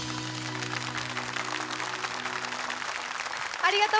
ありがとう！